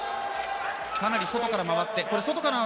かなり外から回って。